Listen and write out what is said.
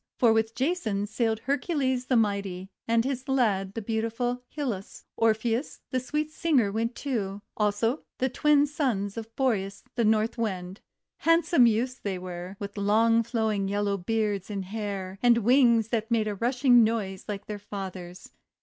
For with Jason sailed Hercules the Mighty, and his lad the beautiful Hylas; Orpheus the sweet singer went too; also the Twin Sons of Boreas the North Wind, — handsome youths they were, with long flowing yellow beards and hair, and wings that made a rushing noise like their father's.